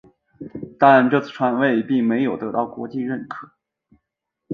但这次传位并没有得到国际承认。